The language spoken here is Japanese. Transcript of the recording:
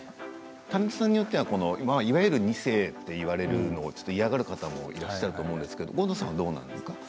タレントさんによってはいわゆる二世と言われるのを嫌がる方もいらっしゃると思うんですけれども郷敦さんはどうなんですか？